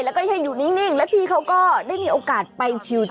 แล้วก็ยังอยู่นิ่งแล้วพี่เขาก็ได้มีโอกาสไปชิล